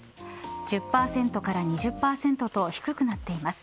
１０％から２０％と低くなっています。